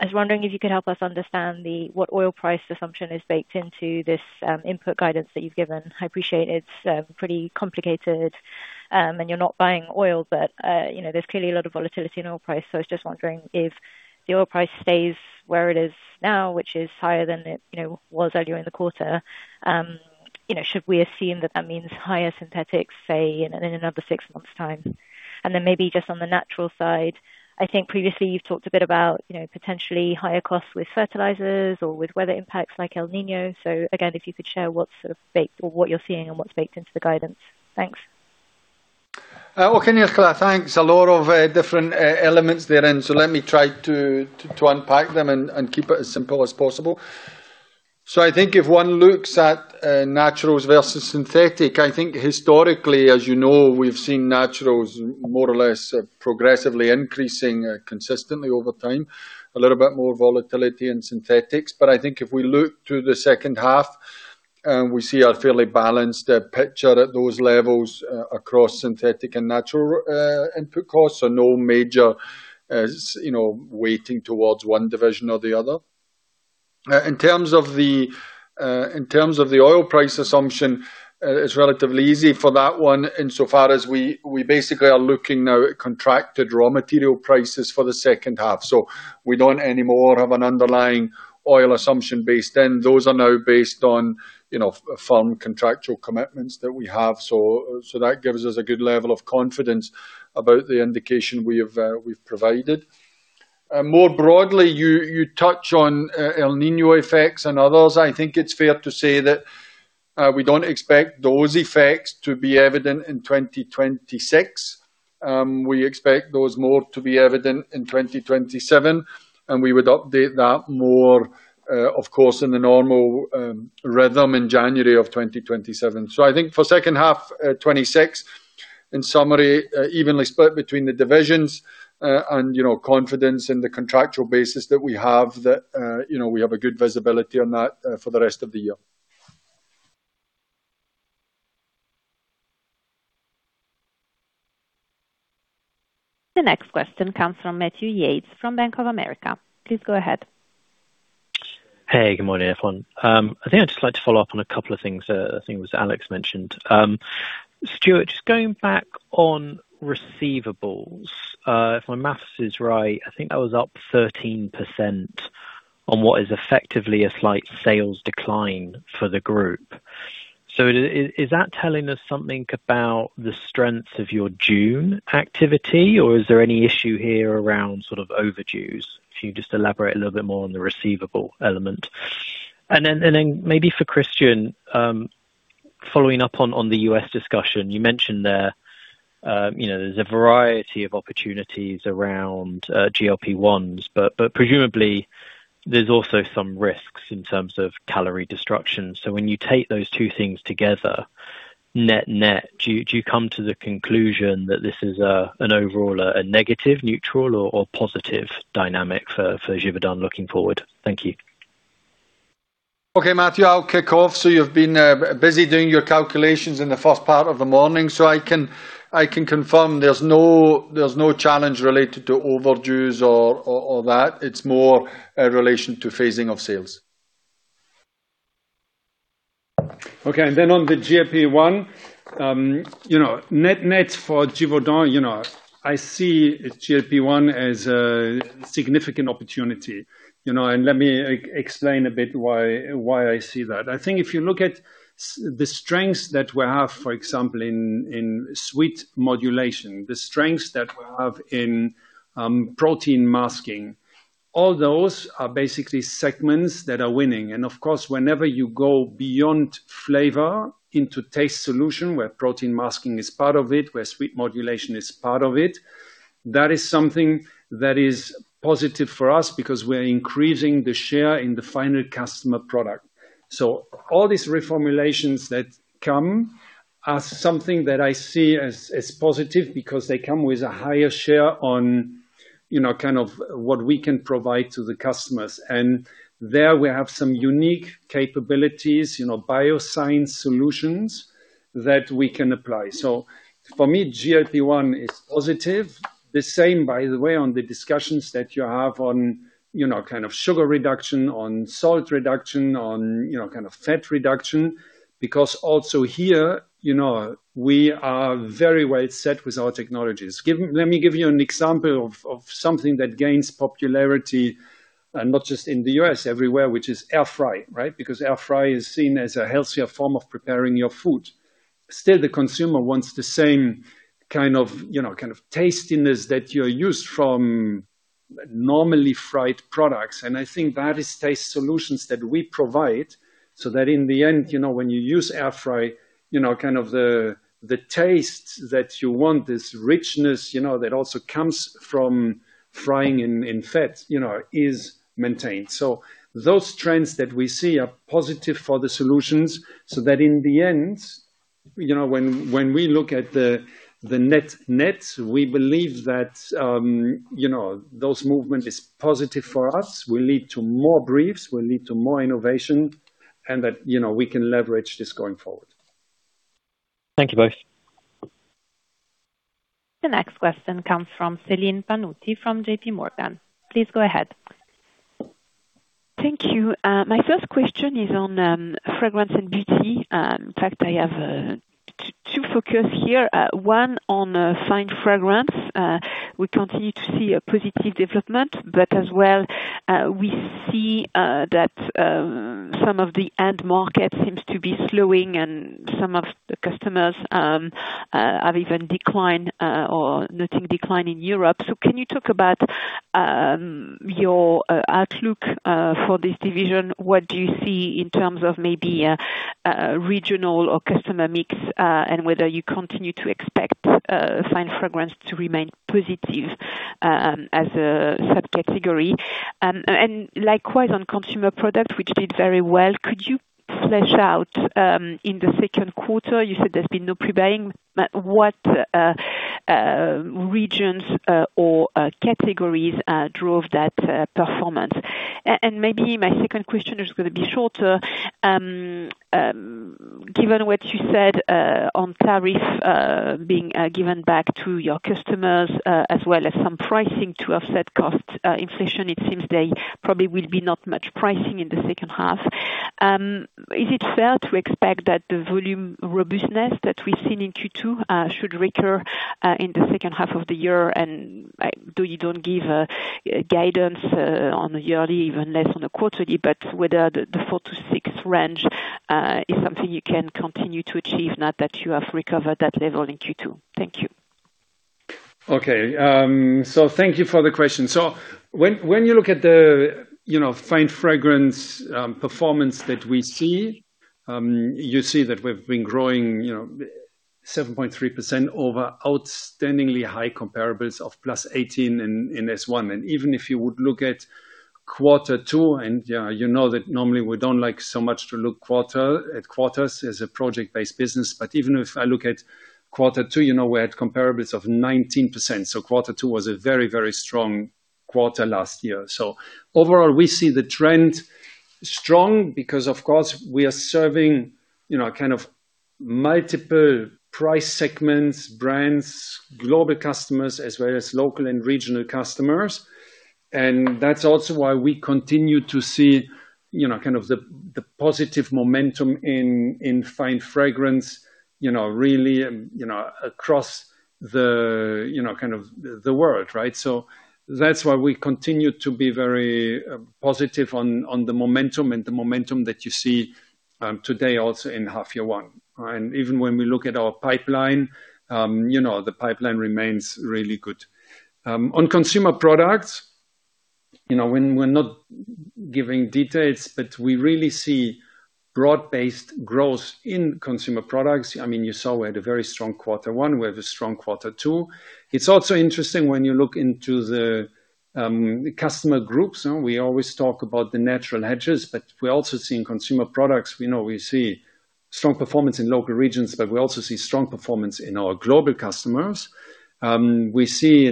I was wondering if you could help us understand what oil price assumption is baked into this input guidance that you've given. I appreciate it's pretty complicated, and you're not buying oil, but there's clearly a lot of volatility in oil price. I was just wondering if the oil price stays where it is now, which is higher than it was earlier in the quarter, should we assume that that means higher synthetics, say, in another six months time. Maybe just on the natural side, I think previously you've talked a bit about potentially higher costs with fertilizers or with weather impacts like El Niño. Again, if you could share what you're seeing and what's baked into the guidance. Thanks. Okay, Nicola, thanks. A lot of different elements therein. Let me try to unpack them and keep it as simple as possible. I think if one looks at naturals versus synthetic, I think historically, as you know, we've seen naturals more or less progressively increasing consistently over time, a little bit more volatility in synthetics. But I think if we look to the second half, we see a fairly balanced picture at those levels across synthetic and natural input costs. No major weighting towards one division or the other. In terms of the oil price assumption, it's relatively easy for that one in so far as we basically are looking now at contracted raw material prices for the second half. We don't anymore have an underlying oil assumption based in. Those are now based on firm contractual commitments that we have. That gives us a good level of confidence about the indication we've provided. More broadly, you touch on El Niño effects and others. I think it's fair to say that we don't expect those effects to be evident in 2026. We expect those more to be evident in 2027, and we would update that more, of course, in the normal rhythm in January of 2027. I think for second half 2026, in summary, evenly split between the divisions, and confidence in the contractual basis that we have that we have a good visibility on that for the rest of the year. The next question comes from Matthew Yates from Bank of America. Please go ahead. Hey, good morning, everyone. I'd just like to follow up on a couple of things Alex mentioned. Stewart, just going back on receivables. If my math is right, I think that was up 13% on what is effectively a slight sales decline for the group. Is that telling us something about the strengths of your June activity, or is there any issue here around sort of overdues? If you could just elaborate a little bit more on the receivable element. Maybe for Christian, following up on the U.S. discussion, you mentioned there's a variety of opportunities around GLP-1s, but presumably there's also some risks in terms of calorie disruption. When you take those two things together, net-net, do you come to the conclusion that this is an overall a negative, neutral or positive dynamic for Givaudan looking forward? Thank you. Okay, Matthew, I'll kick off. You've been busy doing your calculations in the first part of the morning. I can confirm there's no challenge related to overages or that, it's more in relation to phasing of sales. On the GLP-1, net for Givaudan, I see GLP-1 as a significant opportunity. Let me explain a bit why I see that. I think if you look at the strengths that we have, for example, in sweet modulation, the strengths that we have in protein masking, all those are basically segments that are winning. Whenever you go beyond flavor into taste solution, where protein masking is part of it, where sweet modulation is part of it, that is something that is positive for us because we're increasing the share in the final customer product. All these reformulations that come are something that I see as positive because they come with a higher share on what we can provide to the customers. There we have some unique capabilities, bioscience solutions that we can apply. For me, GLP-1 is positive. The same, by the way, on the discussions that you have on sugar reduction, on salt reduction, on fat reduction, because also here, we are very well set with our technologies. Let me give you an example of something that gains popularity, and not just in the U.S., everywhere, which is air fry, right? Because air fry is seen as a healthier form of preparing your food. Still, the consumer wants the same kind of tastiness that you're used from normally fried products. I think that is taste solutions that we provide, so that in the end, when you use air fry, the taste that you want, this richness, that also comes from frying in fat, is maintained. Those trends that we see are positive for the solutions, so that in the end, when we look at the net-net, we believe that those movement is positive for us, will lead to more briefs, will lead to more innovation, and that we can leverage this going forward. Thank you both. The next question comes from Celine Pannuti from J.P. Morgan. Please go ahead. Thank you. My first question is on Fragrance & Beauty. In fact, I have two focus here. One, on Fine Fragrance. We continue to see a positive development, but as well, we see that some of the end market seems to be slowing and some of the customers have even declined or nothing declined in Europe. Can you talk about your outlook for this division? What do you see in terms of maybe a regional or customer mix, and whether you continue to expect Fine Fragrance to remain positive as a subcategory? Likewise, on Consumer Products, which did very well, could you flesh out, in the second quarter, you said there's been no pre-buying. What regions or categories drove that performance? Maybe my second question is going to be shorter. Given what you said on tariff being given back to your customers as well as some pricing to offset cost inflation, it seems there probably will be not much pricing in the second half. Is it fair to expect that the volume robustness that we've seen in Q2 should recur in the second half of the year? Though you don't give guidance on a yearly, even less on a quarterly, whether the four to six range is something you can continue to achieve now that you have recovered that level in Q2. Thank you. Okay. Thank you for the question. When you look at the Fine Fragrance performance that we see, you see that we've been growing 7.3% over outstandingly high comparables of +18 in S1. Even if you would look at quarter two, you know that normally we don't like so much to look at quarters as a project-based business. Even if I look at quarter two, we had comparables of 19%. Quarter two was a very, very strong quarter last year. Overall, we see the trend strong because of course we are serving multiple price segments, brands, global customers, as well as local and regional customers. That's also why we continue to see the positive momentum in Fine Fragrance, really across the world, right? That's why we continue to be very positive on the momentum and the momentum that you see today also in half year one. Even when we look at our pipeline, the pipeline remains really good. On Consumer Products, we're not giving details, but we really see broad-based growth in Consumer Products. You saw we had a very strong quarter one. We have a strong quarter two. It's also interesting when you look into the customer groups. We always talk about the natural hedges, but we're also seeing Consumer Products. We see strong performance in local regions, but we also see strong performance in our global customers. We see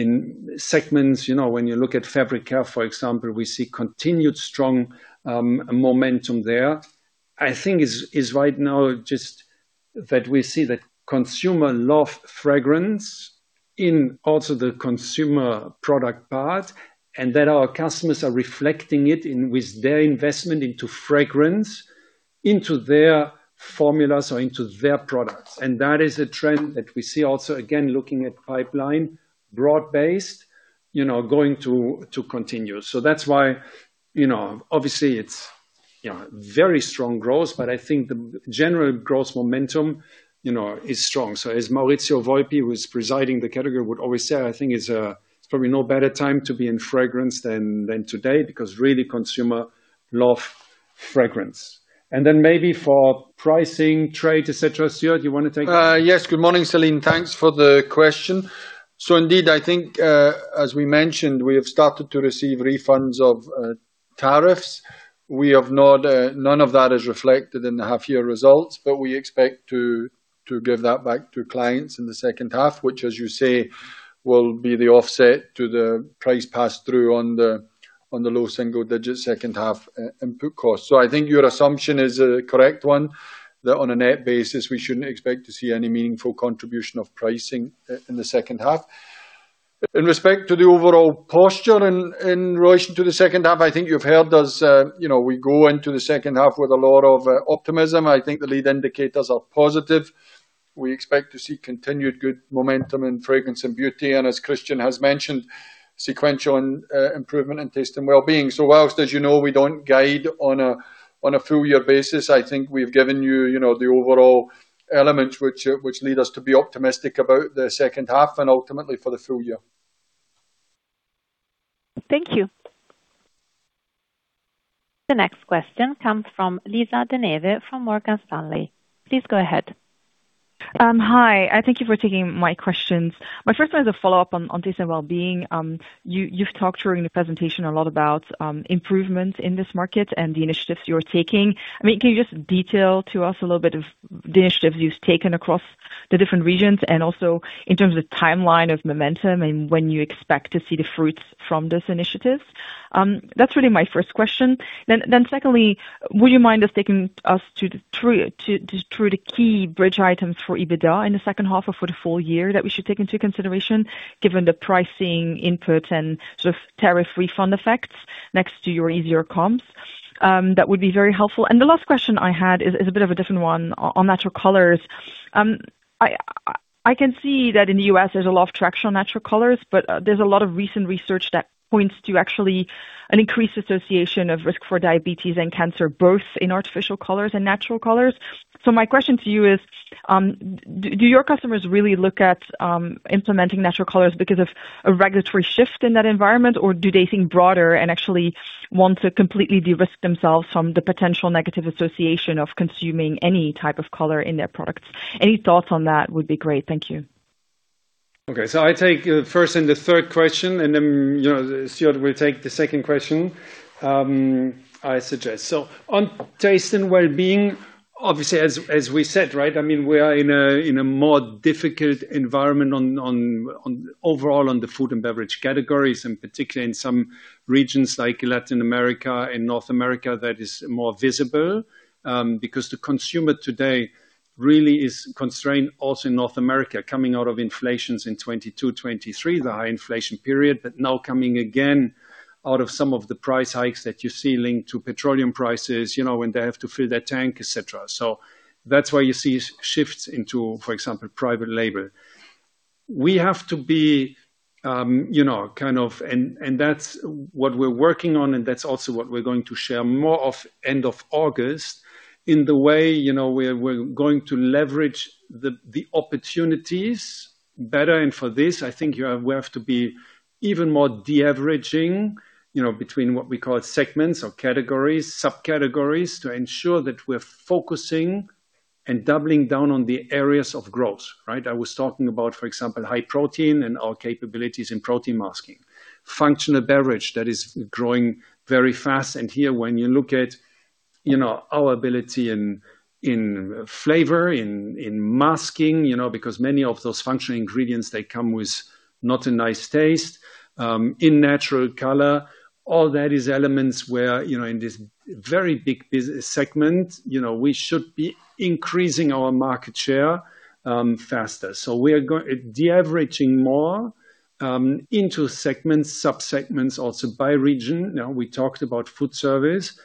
in segments, when you look at fabric care, for example, we see continued strong momentum there. I think is right now just that we see that consumer love fragrance in also the Consumer Products part, and that our customers are reflecting it with their investment into fragrance, into their formulas or into their products. That is a trend that we see also, again, looking at pipeline broad-based, going to continue. That's why, obviously it's very strong growth, but I think the general growth momentum is strong. As Maurizio Volpi, who is President Fragrance & Beauty, would always say, I think it's probably no better time to be in fragrance than today because really consumer love fragrance. Then maybe for pricing, trade, et cetera, Stewart, you want to take? Yes. Good morning, Celine. Thanks for the question. Indeed, I think, as we mentioned, we have started to receive refunds of tariffs. None of that is reflected in the half year results, but we expect to give that back to clients in the second half, which, as you say, will be the offset to the price pass-through on the low single-digit second half input cost. I think your assumption is a correct one, that on a net basis, we shouldn't expect to see any meaningful contribution of pricing in the second half. In respect to the overall posture in relation to the second half, I think you've heard us, we go into the second half with a lot of optimism. I think the lead indicators are positive. We expect to see continued good momentum in Fragrance & Beauty, and as Christian has mentioned, sequential improvement in Taste & Wellbeing. Whilst, as you know, we don't guide on a full year basis, I think we've given you the overall elements which lead us to be optimistic about the second half and ultimately for the full year. Thank you. The next question comes from Lisa de Neve from Morgan Stanley. Please go ahead. Hi. Thank you for taking my questions. My first one is a follow-up on Taste & Wellbeing. You've talked during the presentation a lot about improvement in this market and the initiatives you're taking. Can you just detail to us a little bit of the initiatives you've taken across the different regions and also in terms of timeline of momentum and when you expect to see the fruits from this initiative? That's really my first question. Secondly, would you mind us taking us through the key bridge items for EBITDA in the second half or for the full year that we should take into consideration, given the pricing inputs and tariff refund effects next to your easier comps? That would be very helpful. The last question I had is a bit of a different one on natural colors. I can see that in the U.S., there's a lot of traction on natural colors, but there's a lot of recent research that points to actually an increased association of risk for diabetes and cancer, both in artificial colors and natural colors. My question to you is, do your customers really look at implementing natural colors because of a regulatory shift in that environment? Or do they think broader and actually want to completely de-risk themselves from the potential negative association of consuming any type of color in their products? Any thoughts on that would be great. Thank you. Okay, I take first and the third question, and then Stewart will take the second question, I suggest. On Taste & Wellbeing, obviously as we said, we are in a more difficult environment overall on the food and beverage categories, and particularly in some regions like Latin America and North America, that is more visible. The consumer today really is constrained also in North America, coming out of inflations in 2022, 2023, the high inflation period, but now coming again out of some of the price hikes that you see linked to petroleum prices, when they have to fill their tank, et cetera. That's why you see shifts into, for example, private label. We have to be, and that's what we're working on, and that's also what we're going to share more of end of August, in the way we're going to leverage the opportunities better. For this, I think we have to be even more de-averaging, between what we call segments or categories, subcategories, to ensure that we're focusing and doubling down on the areas of growth. I was talking about, for example, high protein and our capabilities in protein masking. Functional beverage, that is growing very fast. Here, when you look at our ability in flavor, in masking, because many of those functional ingredients, they come with not a nice taste, in natural color. All that is elements were, in this very big business segment, we should be increasing our market share faster. We are de-averaging more into segments, sub-segments also by region. We talked about food service.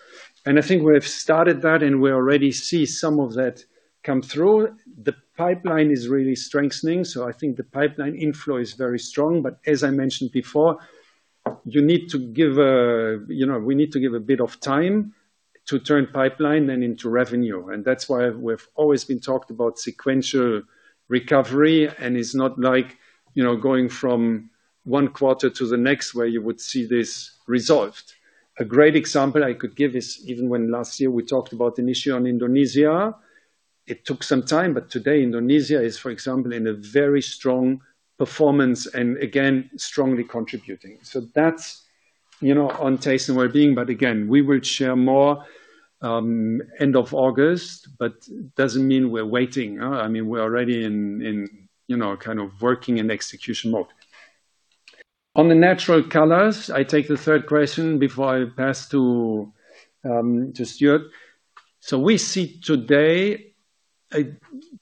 I think we have started that and we already see some of that come through. The pipeline is really strengthening. I think the pipeline inflow is very strong. As I mentioned before, we need to give a bit of time to turn pipeline then into revenue. That's why we've always been talked about sequential recovery, and it's not like going from one quarter to the next where you would see this resolved. A great example I could give is even when last year we talked about the issue on Indonesia. It took some time, but today Indonesia is, for example, in a very strong performance and again, strongly contributing. That's on Taste & Wellbeing. Again, we will share more end of August, but doesn't mean we're waiting. We're already in working in execution mode. On the natural colors, I take the third question before I pass to Stewart. We see today a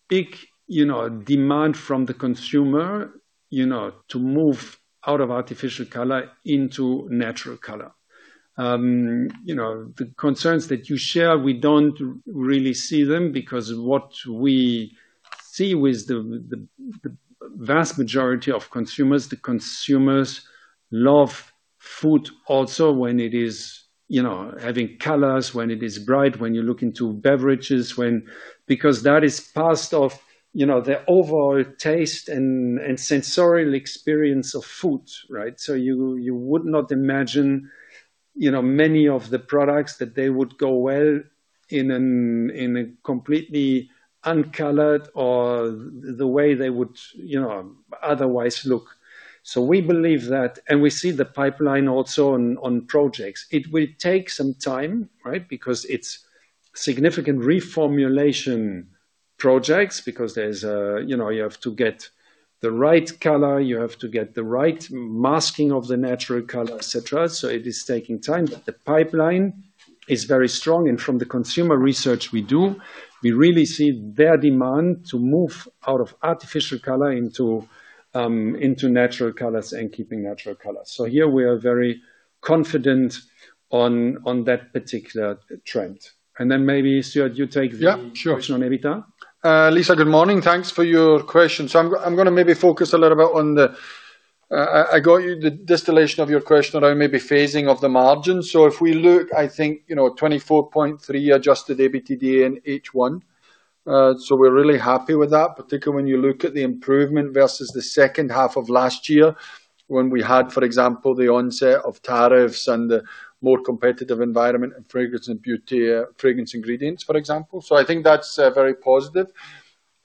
big demand from the consumer, to move out of artificial color into natural color. The concerns that you share, we don't really see them because what we see with the vast majority of consumers, the consumers love food also when it is having colors, when it is bright, when you look into beverages, because that is part of the overall taste and sensorial experience of food, right? You would not imagine many of the products that they would go well in a completely uncolored or the way they would otherwise look. We believe that, and we see the pipeline also on projects. It will take some time, right? It's significant reformulation projects, because you have to get the right color, you have to get the right masking of the natural color, et cetera. It is taking time, but the pipeline is very strong. From the consumer research we do, we really see their demand to move out of artificial color into natural colors and keeping natural colors. Here we are very confident on that particular trend. Maybe, Stewart, you take the- Yeah, sure question on EBITDA. Lisa, good morning. Thanks for your question. I'm going to maybe focus a little bit on the distillation of your question around maybe phasing of the margin. If we look, I think, 24.3% Adjusted EBITDA in H1. We're really happy with that, particularly when you look at the improvement versus the second half of last year, when we had, for example, the onset of tariffs and the more competitive environment in Fragrance Ingredients, for example. I think that's very positive.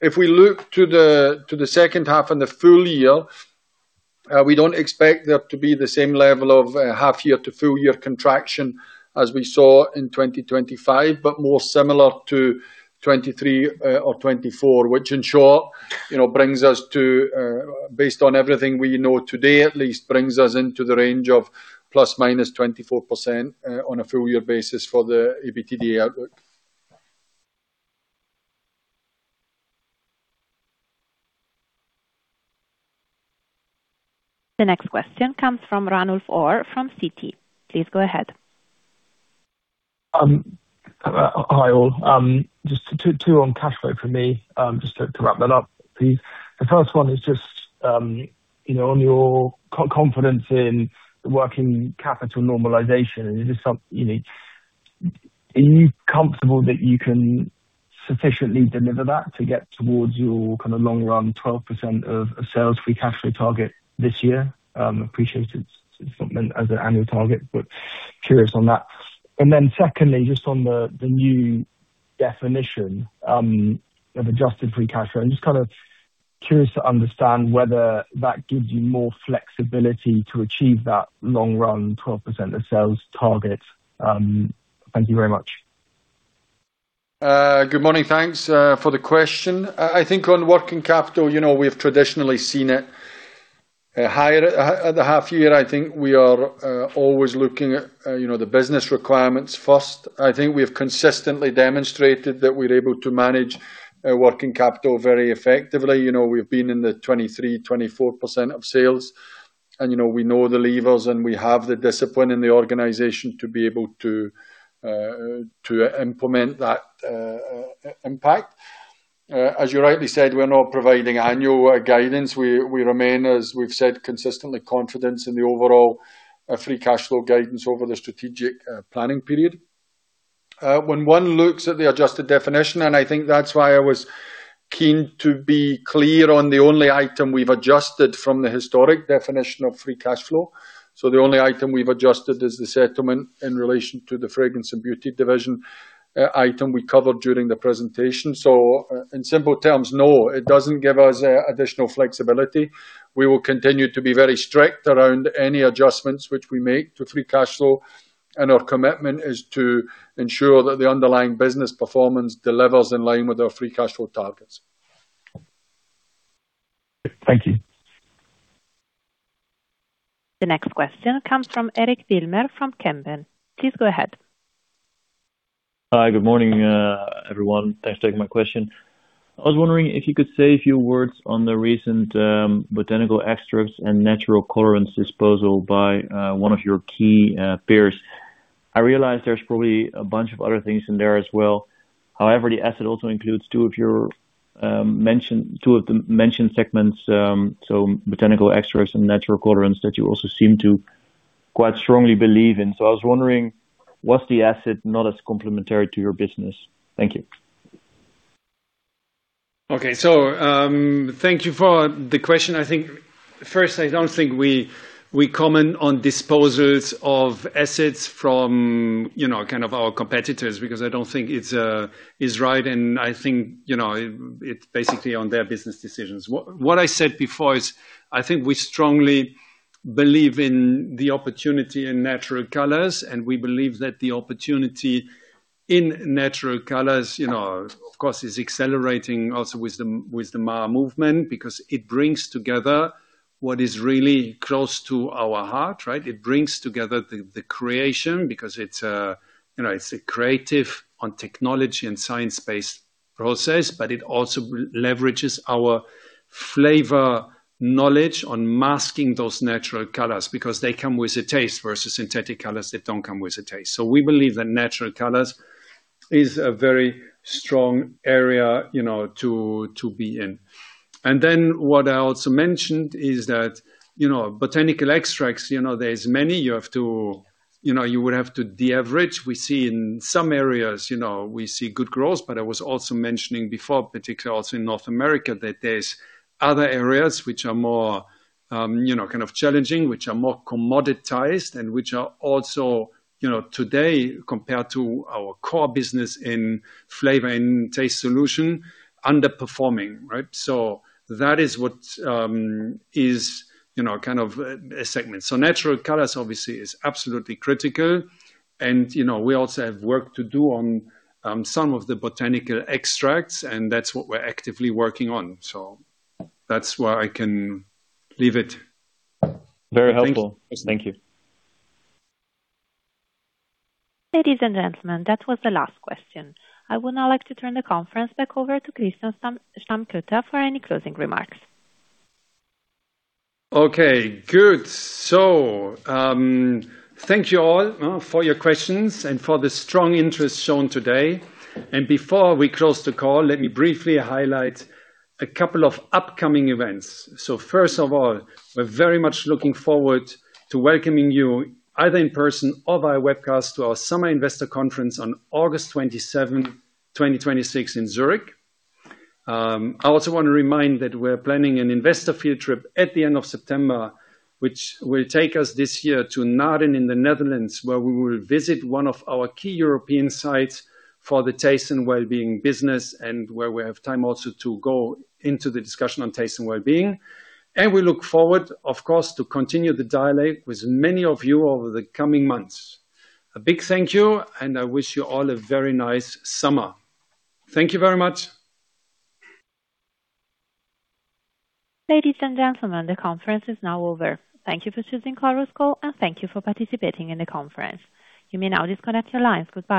If we look to the second half and the full year, we don't expect there to be the same level of half year to full year contraction as we saw in 2025, but more similar to 2023 or 2024, which in short, based on everything we know today, at least brings us into the range of ±24% on a full year basis for the EBITDA outlook. The next question comes from Ranulf Orr from Citi. Please go ahead. Hi, all. Just two on cash flow from me, just to wrap that up, please. The first one is just on your confidence in working capital normalization. Are you comfortable that you can sufficiently deliver that to get towards your long run 12% of sales free cash flow target this year? Appreciate it's not as an annual target, but curious on that. Then secondly, just on the new definition of Adjusted Free Cash Flow. I'm just curious to understand whether that gives you more flexibility to achieve that long run 12% of sales target. Thank you very much. Good morning. Thanks for the question. I think on working capital, we've traditionally seen it higher at the half year. I think we are always looking at the business requirements first. I think we have consistently demonstrated that we're able to manage working capital very effectively. We've been in the 23%-24% of sales, and we know the levers, and we have the discipline in the organization to be able to implement that impact. As you rightly said, we're not providing annual guidance. We remain, as we've said, consistently confidence in the overall free cash flow guidance over the strategic planning period. When one looks at the Adjusted definition, and I think that's why I was keen to be clear on the only item we've adjusted from the historic definition of free cash flow. The only item we've adjusted is the settlement in relation to the Fragrance & Beauty division item we covered during the presentation. In simple terms, no, it doesn't give us additional flexibility. We will continue to be very strict around any adjustments which we make to free cash flow, and our commitment is to ensure that the underlying business performance delivers in line with our free cash flow targets. Thank you. The next question comes from Eric Wilmer from Kempen. Please go ahead. Hi, good morning, everyone. Thanks for taking my question. I was wondering if you could say a few words on the recent botanical extracts and natural colorants disposal by one of your key peers. I realize there's probably a bunch of other things in there as well. However, the asset also includes two of the mentioned segments, so botanical extracts and natural colorants that you also seem to quite strongly believe in. I was wondering, was the asset not as complementary to your business? Thank you. Okay. Thank you for the question. I think first, I don't think we comment on disposals of assets from our competitors, because I don't think it's right, and I think it's basically on their business decisions. What I said before, I think we strongly believe in the opportunity in natural colors, and we believe that the opportunity in natural colors, of course, is accelerating also with the MAHA movement because it brings together what is really close to our heart. It brings together the creation because it's a creative on technology and science-based process, but it also leverages our flavor knowledge on masking those natural colors because they come with a taste versus synthetic colors that don't come with a taste. We believe that natural colors is a very strong area to be in. What I also mentioned is that botanical extracts, there's many. You would have to de-average. We see in some areas we see good growth, I was also mentioning before, particularly also in North America, that there's other areas which are more kind of challenging, which are more commoditized, and which are also today, compared to our core business in flavor and taste solution, underperforming. That is what is kind of a segment. Natural colors obviously is absolutely critical. We also have work to do on some of the botanical extracts, and that's what we're actively working on. That's where I can leave it. Very helpful. Thank you. Ladies and gentlemen, that was the last question. I would now like to turn the conference back over to Christian Stammkoetter for any closing remarks. Okay, good. Thank you all for your questions and for the strong interest shown today. Before we close the call, let me briefly highlight a couple of upcoming events. First of all, we're very much looking forward to welcoming you either in person or via webcast to our summer investor conference on August 27, 2026, in Zurich. I also want to remind that we're planning an investor field trip at the end of September, which will take us this year to Naarden in the Netherlands, where we will visit one of our key European sites for the Taste & Wellbeing business and where we have time also to go into the discussion on Taste & Wellbeing. We look forward, of course, to continue the dialogue with many of you over the coming months. A big thank you, and I wish you all a very nice summer. Thank you very much. Ladies and gentlemen, the conference is now over. Thank you for choosing Chorus Call and thank you for participating in the conference. You may now disconnect your lines. Goodbye.